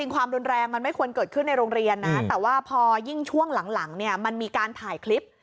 ความรุนแรงมันไม่ควรเกิดขึ้นในโรงเรียนนะแต่ว่าพอยิ่งช่วงหลังเนี่ยมันมีการถ่ายคลิป